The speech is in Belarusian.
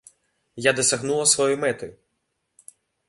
Я дасягнула сваёй мэты.